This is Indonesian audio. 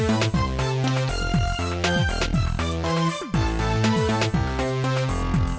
gak boleh pergi mana mana oke kamu dadah